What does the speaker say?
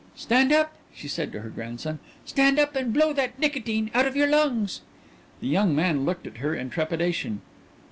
"Stand up!" she said to her grandson, "stand up and blow that nicotine out of your lungs!" The young man looked at her in trepidation.